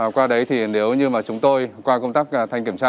qua đấy thì nếu như mà chúng tôi qua công tác thanh kiểm tra